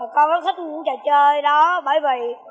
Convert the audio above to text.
con rất thích những trò chơi đó bởi vì